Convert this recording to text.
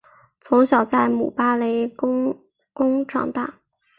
从小在姆巴雷皇宫中长大。